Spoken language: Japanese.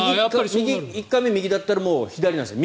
１回目右だったら左なんですね。